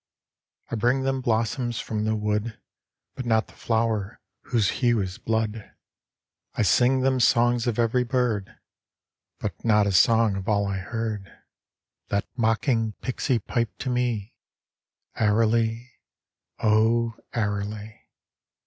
I bring them blossoms from the wood, But not the flower whose hue is blood ; I sing them songs of every bird, But not a song of all I heard 10 THE WOOD DEMON. That mocking pixy pipe to me, Airily, 0 airily.